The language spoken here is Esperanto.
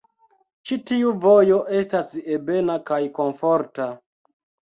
Ĉi tiu vojo estas ebena kaj komforta.